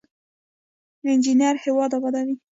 انجینر هیواد ابادوي